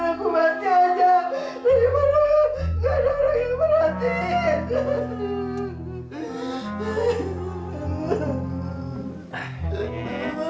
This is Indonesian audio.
nggak ngarang yang berhati